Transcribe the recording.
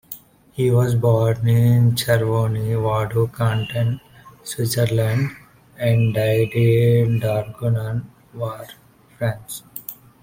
He was born in Chavornay, Vaud canton, Switzerland and died in Draguignan, Var, France.